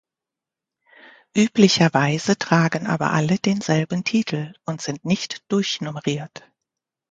Üblicherweise tragen aber alle denselben Titel und sind nicht durchnummeriert.